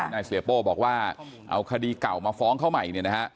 นายเสียโป้บอกว่าเอาคดีเก่ามาฟ้องเข้าใหม่